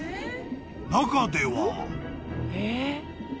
［中では］